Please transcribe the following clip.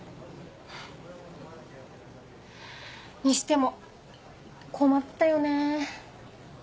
にしても困ったよねぇ。